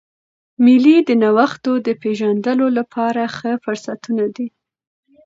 مېلې د نوښتو د پېژندلو له پاره ښه فرصتونه دي.